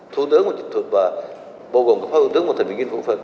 thủ tướng của dịch thuật và bồ gồm có phó thủ tướng của thành viên vĩnh vũ phương